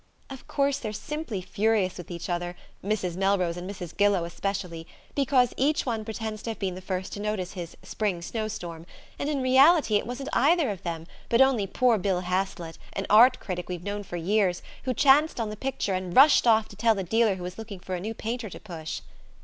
"Of course they're simply furious with each other Mrs. Melrose and Mrs. Gillow especially because each one pretends to have been the first to notice his 'Spring Snow Storm,' and in reality it wasn't either of them, but only poor Bill Haslett, an art critic we've known for years, who chanced on the picture, and rushed off to tell a dealer who was looking for a new painter to push."